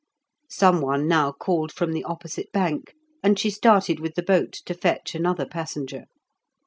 Someone now called from the opposite bank, and she started with the boat to fetch another passenger.